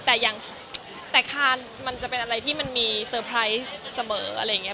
แต่อย่างแต่คานมันจะเป็นอะไรที่มันมีเซอร์ไพรส์เสมออะไรอย่างนี้